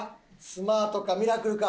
スマートかミラクルか。